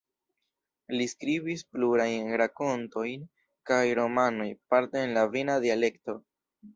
Li skribis plurajn rakontojn kaj romanojn, parte en la viena dialekto.